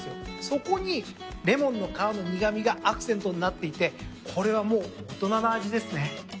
そこにレモンの皮の苦味がアクセントになっていてこれはもう大人の味ですね。